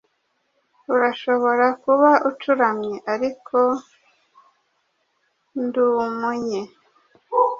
Urashobora kuba ucuramye, ariko ndumunye